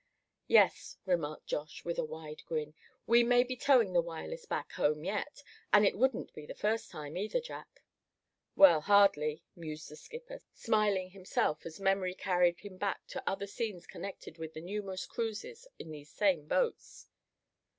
"Yes," remarked Josh, with a wide grin, "we may be towing the Wireless back home yet; and it wouldn't be the first time, either, Jack." "Well, hardly," mused the skipper, smiling himself as memory carried him back to other scenes connected with their numerous cruises in these same boats.